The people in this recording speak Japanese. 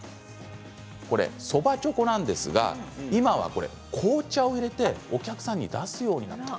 そばちょこなんですが今は紅茶をいれてお客さんに出すようになったと。